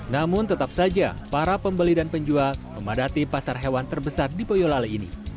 namun tetap saja para pembeli dan penjual memadati pasar hewan terbesar di boyolali ini